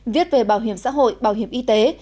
viết về bảo hiểm xã hội bảo hiểm y tế